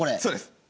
そうです。